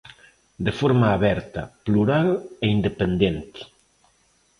De forma aberta, plural e independente.